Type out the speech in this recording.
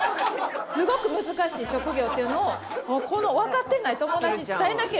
すごく難しい職業っていうのをこのわかってない友達に伝えなければいけない。